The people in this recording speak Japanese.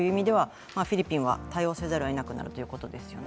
フィリピンは対応せざるをえなくなるということですよね。